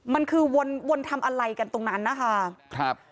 มันคือวนทำอะไรกันตรงนั้นนะคะครับ